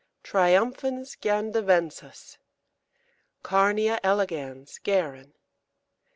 Triomphans gandavensis. Carnea elegans (Guerin).